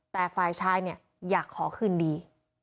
แต่ฝ่ายชายเนี่ยอยากขอคืนดี